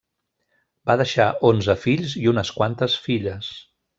Va deixar onze fills i unes quantes filles.